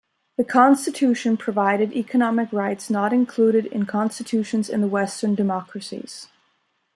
The constitution provided economic rights not included in constitutions in the Western democracies.